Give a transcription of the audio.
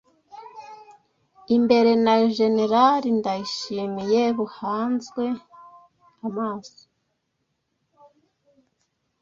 imbere na Gen Ndayishimiye buhanzwe amaso